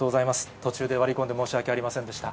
途中で割り込んで申し訳ありませんでした。